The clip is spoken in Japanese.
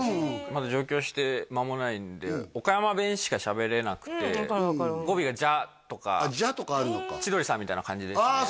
まだ上京してまもないんで岡山弁しかしゃべれなくて語尾が「じゃ」とか「じゃ」とかあるのか千鳥さんみたいな感じですねああ